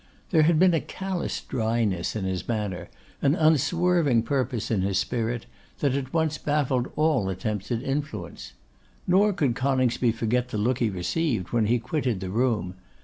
There had been a callous dryness in his manner, an unswerving purpose in his spirit, that at once baffled all attempts at influence. Nor could Coningsby forget the look he received when he quitted the room.